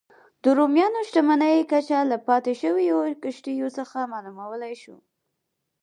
د رومیانو شتمنۍ کچه له پاتې شویو کښتیو څخه معلومولای شو